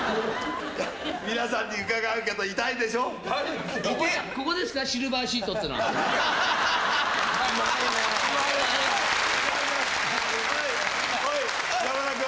皆さんに伺うけど、痛いでしここですか？